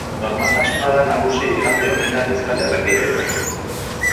Normaltasuna da nagusi igande honetan euskal errepideetan.